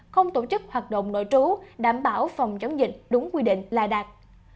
không tổ chức hoạt động nội trú đảm bảo phòng chống dịch đúng quy định là đạt